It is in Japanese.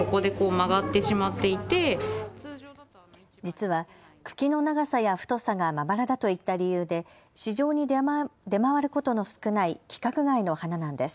実は茎の長さや太さがまばらだといった理由で市場に出回ることの少ない規格外の花なんです。